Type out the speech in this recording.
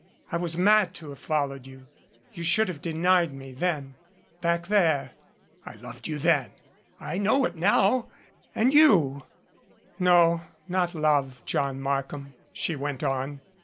I was mad to have followed you. You should have denied me then back there "I loved you then I know it now and you " "No not love, John Markham," she went on.